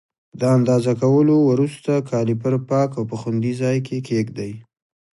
د اندازه کولو وروسته کالیپر پاک او په خوندي ځای کې کېږدئ.